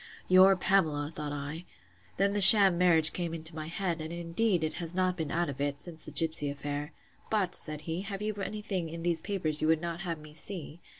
Your Pamela! thought I. Then the sham marriage came into my head; and indeed it has not been out of it, since the gipsy affair.—But, said he, have you any thing in these papers you would not have me see?